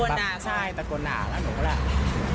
แล้วก็แยกย้ายกันไปเธอก็เลยมาแจ้งความ